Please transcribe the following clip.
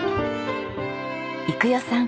育代さん